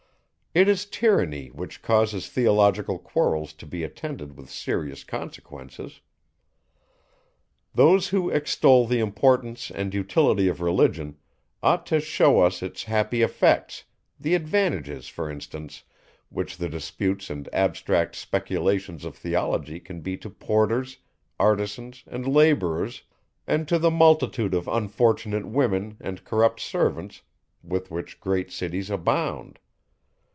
It is tyranny which causes theological quarrels to be attended with serious consequences. Those, who extol the importance and utility of Religion, ought to shew us its happy effects, the advantages for instance, which the disputes and abstract speculations of theology can be to porters, artisans, and labourers, and to the multitude of unfortunate women and corrupt servants with which great cities abound.